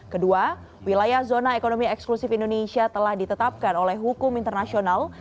kedua wilayah zona ekonomi eksklusif indonesia telah ditetapkan oleh hukum internasional